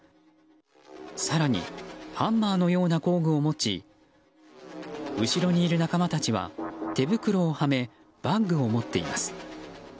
更にハンマーのような工具を持ち後ろにいる仲間たちは手袋をはめバッグを持っています。